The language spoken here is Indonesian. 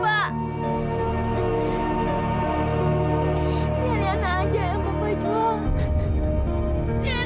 biar riana aja yang bawa jual